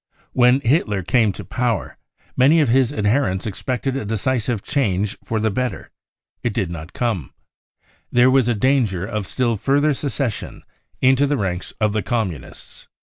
When Hitler came to power, many of ; his adherents expected a decisive change for the better. It I did not come. There was a danger of still further secession I into the ranks of the Communists.